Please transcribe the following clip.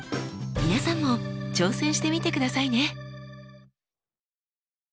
皆さんも挑戦してみてくださいね。